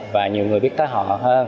và nhiều người biết tới họ hơn